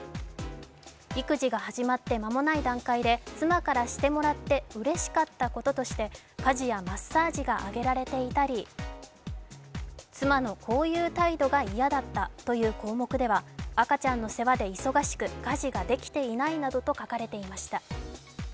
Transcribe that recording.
育児が始まって間もない段階で妻からしてもらってうれしかったこととして、家事やマッサージが挙げられていたり、妻のこういう態度が嫌だったという項目では、赤ちゃんの世話で忙しく家事ができていないなどと書かれていました。